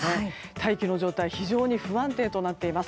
大気の状態が非常に不安定となっています。